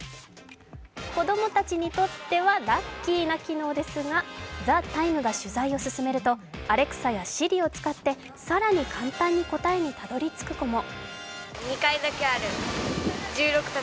子供たちにとってはラッキーな機能ですが、「ＴＨＥＴＩＭＥ，」が取材を進めるとアレクサやＳｉｒｉを使って更に簡単に答えにたどりつく子も。